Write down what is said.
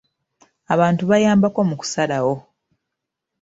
Abantu bayambako mu kusalawo.